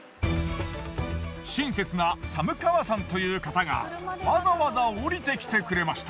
親切な寒川さんという方がわざわざ下りてきてくれました。